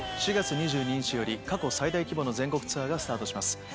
４月２２日より過去最大規模の全国ツアーがスタートします。